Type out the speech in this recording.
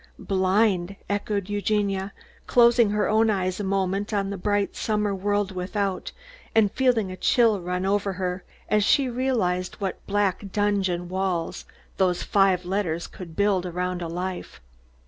"Blind!" echoed Eugenia, closing her own eyes a moment on the bright summer world without, and feeling a chill run over her, as she realised what black dungeon walls those five letters could build around a life.